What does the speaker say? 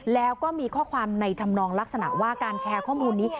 แล้วก็มีข้อความในธรรมนองลักษณะว่าการแชร์ข้อมูลนี้